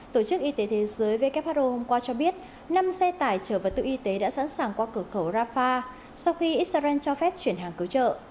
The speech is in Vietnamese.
tổ chức y tế thế giới who hôm qua cho biết năm xe tải trở vào tự y tế đã sẵn sàng qua cửa khẩu rafah sau khi israel cho phép chuyển hàng cứu trợ